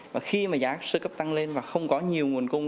và khi mà giá sơ cấp tăng lên và không có nhiều nguồn cung